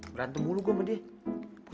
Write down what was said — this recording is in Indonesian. berantem mulu gue sama dia